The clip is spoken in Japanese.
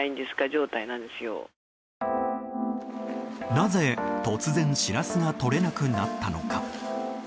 なぜ、突然シラスがとれなくなったのか。